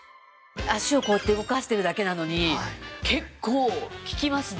足をこうやって動かしているだけなのに結構効きますね